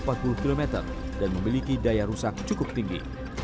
meriam ini mampu menjangkau empat puluh km dan memiliki daya rusak cukup tinggi